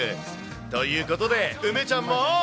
ということで、梅ちゃんも。